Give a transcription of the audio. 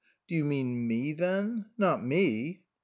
" Do you mean me then ? Not me